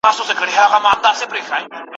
مېلمانه یې د مرګي لوی ډاکټران کړل